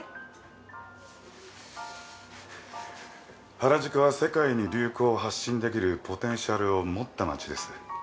原宿は世界に流行を発信できるポテンシャルを持った街です。